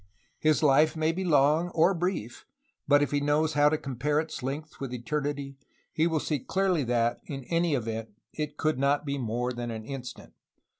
His life may be long or brief, but if he knows how to compare its length with eternity, he will see clearly that, in any event, it could not be more than an instant.